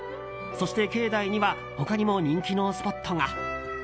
そして、境内には他にも人気のスポットが。